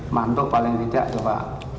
mantuk paling tidak coba